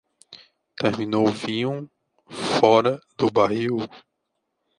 Terminou o vinho, fora do barril.